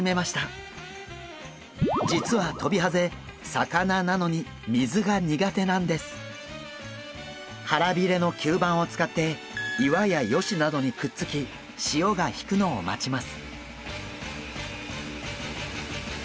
実はトビハゼ腹びれの吸盤を使って岩や葦などにくっつき潮が引くのを待ちます。